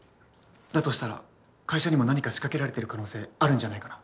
だとしたら会社にも何か仕掛けられてる可能性あるんじゃないかな？